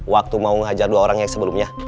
waktu mau menghajar dua orang yang sebelumnya